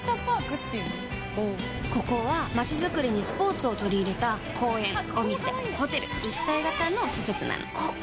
うんここは街づくりにスポーツをとり入れた公園・お店・ホテル一体型の施設なのここも三井不動産が手掛けてるの